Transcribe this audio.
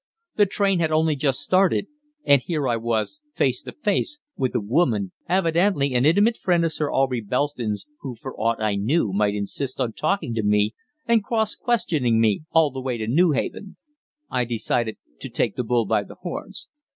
The train had only just started, and here I was face to face with a woman evidently an intimate friend of Sir Aubrey Belston's, who for aught I knew might insist on talking to me and cross questioning me all the way to Newhaven. I decided to take the bull by the horns.